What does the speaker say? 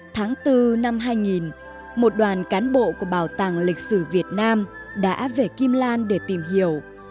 tháng bốn năm hai nghìn một đoàn cán bộ của bảo tàng lịch sử việt nam đã về kim lan để tìm hiểu